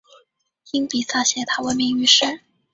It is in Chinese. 因比萨斜塔闻名于世。